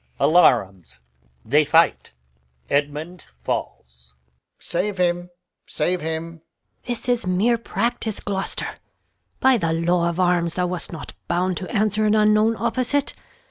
Alarums. Fight. [Edmund falls.] Alb. Save him, save him! Gon. This is mere practice, Gloucester. By th' law of arms thou wast not bound to answer An unknown opposite.